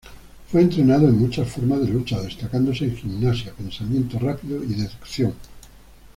Fue entrenado en muchas formas de lucha, destacándose en gimnasia, pensamiento rápido y deducción.